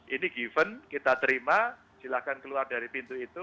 ini given kita terima silahkan keluar dari pintu itu